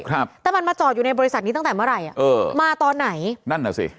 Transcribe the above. ครับแต่มันมาจอดอยู่ในบริษัทนี้ตั้งแต่เมื่อไหร่อ่ะเออมาตอนไหนนั่นน่ะสิ